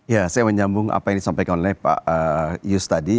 ya saya menyambung apa yang disampaikan oleh pak yus tadi